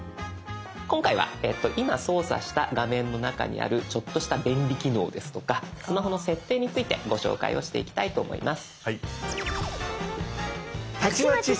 今回は今操作した画面の中にあるちょっとした便利機能ですとかスマホの設定についてご紹介をしていきたいと思います。